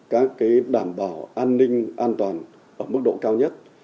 các đảm bảo an ninh an toàn ở mức độ cao nhất